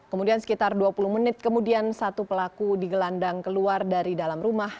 kemudian sekitar dua puluh menit kemudian satu pelaku digelandang keluar dari dalam rumah